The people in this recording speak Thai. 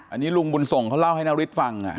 อันนี้ลุงบุญส่งเขาเล่าให้นฤทธิ์ฟัง